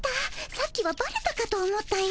さっきはバレたかと思ったよ。